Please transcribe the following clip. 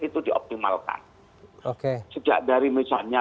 itu dioptimalkan sejak dari misalnya